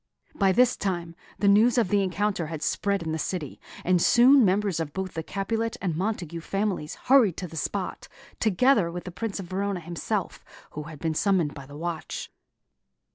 By this time, the news of the encounter had spread in the city, and soon members of both the Capulet and Montague families hurried to the spot, together with the Prince of Verona himself, who had been summoned by the watch.